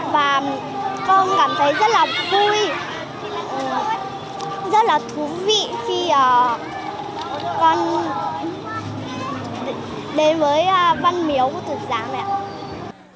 và con cảm thấy rất là vui rất là thú vị khi con đến với văn miếu của thực giá này ạ